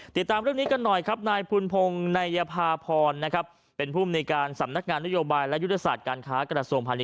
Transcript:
ติดตามเรื่องนี้กันหน่อยครับนายพุนพงศ์นายภาพรนะครับเป็นภูมิในการสำนักงานนโยบายและยุทธศาสตร์การค้ากระทรวงพาณิช